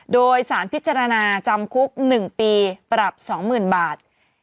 โดยสารพิจารณาจำคุก๑ปีปรับ๒๐๐๐บาท